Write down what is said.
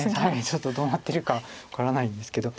ちょっとどうなってるか分からないんですけど。